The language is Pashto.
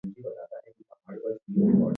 وخت طلا ده؟